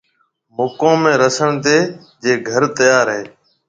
مڪوم ۾ رسڻ تيَ جي گھر تيار ھيََََ